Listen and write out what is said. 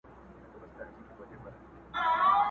نجلۍ خواست مي درته کړی چي پر سر دي منګی مات سي!